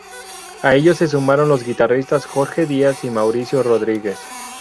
A ellos se sumaron los guitarristas Jorge Díaz y Mauricio Rodríguez.